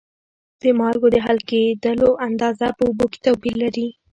د مالګو د حل کیدلو اندازه په اوبو کې توپیر لري.